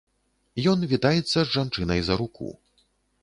Ён вітаецца з жанчынай за руку.